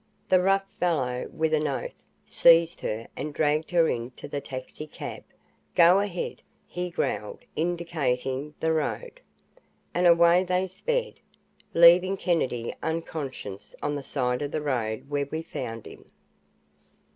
The rough fellow, with an oath, seized her and dragged her into the taxicab. "Go ahead!" he growled, indicating the road. And away they sped, leaving Kennedy unconscious on the side of the road where we found him.